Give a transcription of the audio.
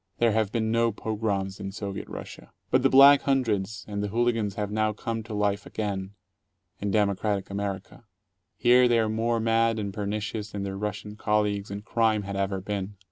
There have been no pogroms in Soviet Russia. But the Black Hundreds and the hooligans have now come to life again — in democratic America. Here they are more mad and pernicious than their Russian colleagues in crime had ever been.